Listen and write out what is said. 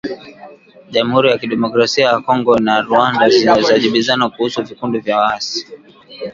Jamhuri ya Kidemokrasia ya Kongo na Rwanda zajibizana kuhusu vikundi vya waasi